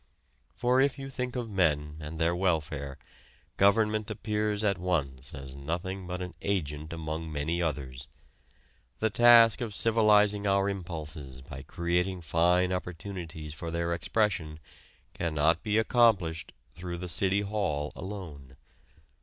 For if you think of men and their welfare, government appears at once as nothing but an agent among many others. The task of civilizing our impulses by creating fine opportunities for their expression cannot be accomplished through the City Hall alone.